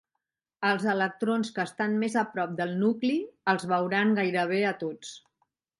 Els electrons que estan més a prop del nucli els "veuran" gairebé a tots.